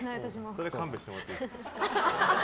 それは勘弁してもらっていいですか。